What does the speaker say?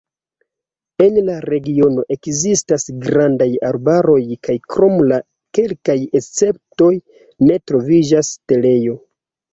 En la regiono ekzistas grandaj arbaroj kaj krom la kelkaj esceptoj ne troviĝas setlejo.